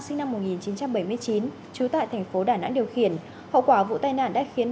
sinh năm một nghìn chín trăm bảy mươi chín trú tại thành phố đà nẵng điều khiển hậu quả vụ tai nạn đã khiến